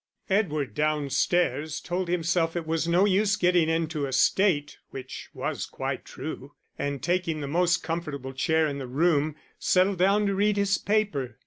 Edward, downstairs, told himself it was no use getting into a state, which was quite true, and taking the most comfortable chair in the room, settled down to read his paper.